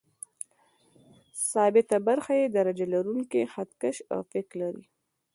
ثابته برخه یې درجه لرونکی خط کش او فک لري.